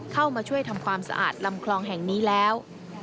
เข้ามาช่วยทำความสะอาดลำคลองแห่งนี้แล้ว